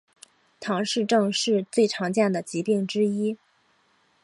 唐氏症是最常见的疾病之一。